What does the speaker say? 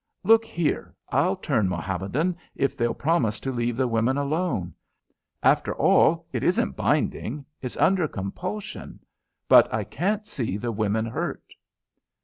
"Look. here, I'll turn Mohammedan if they'll promise to leave the women alone. After all, it isn't binding it's under compulsion. But I can't see the women hurt."